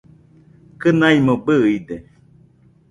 Kɨnaimo bɨide